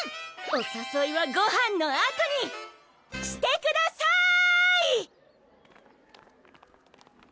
おさそいはごはんのあとにしてくださーい！